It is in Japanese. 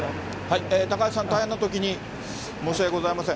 高橋さん、大変なときに申し訳ございません。